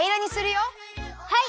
はい！